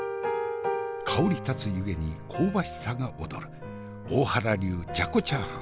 香り立つ湯気に香ばしさが躍る大原流じゃこチャーハン。